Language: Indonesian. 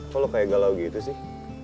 kok lo kayak galau gitu sih